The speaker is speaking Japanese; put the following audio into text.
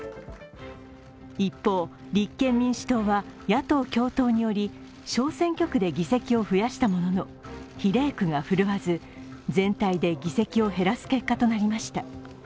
一方、立憲民主党は野党共闘により小選挙区で議席を増やしたものの、比例区が振るわず全体で議席を減らす結果となりました。